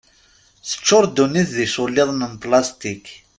Teččur ddunit d iculliḍen n plastik.